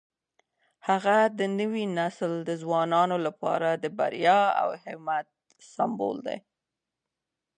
هغه د نوي نسل د ځوانانو لپاره د بریا او همت یو سمبول دی.